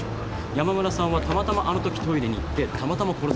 山村さんはたまたまあの時トイレに行ってたまたま殺されたんでは。